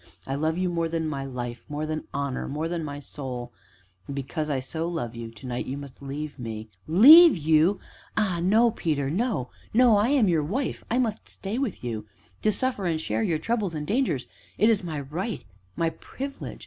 "I love you more than my life more than honor more than my soul; and, because I so love you to night you must leave me " "Leave you? ah no, Peter no no, I am your wife I must stay with you to suffer and share your troubles and dangers it is my right my privilege.